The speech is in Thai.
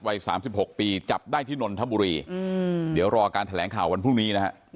๓๖ปีจับได้ที่นนทบุรีเดี๋ยวรอการแถลงข่าววันพรุ่งนี้นะฮะ